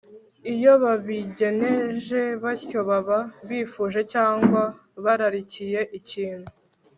iyo babigenje batyo baba bifuje cyangwa bararikiye ikintu